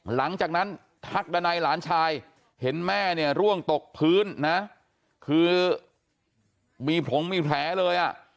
หลังจากนั้นทักดันัยหลานชายเห็นแม่เนี่ยร่วงตกพื้นนะคือมีผงมีแผลเลยอ่ะ